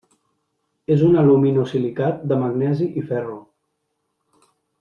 És un aluminosilicat de magnesi i ferro.